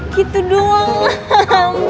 gitu doang hahaha mbak